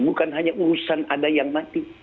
bukan hanya urusan ada yang mati